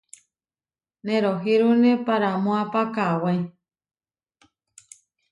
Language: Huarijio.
Nerohírune paramoápa kawé.